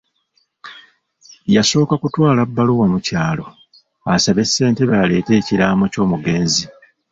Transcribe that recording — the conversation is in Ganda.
Yasooka kutwala bbaluwa mu kyalo esaba Ssentebe aleete ekiraamo ky'omugenzi.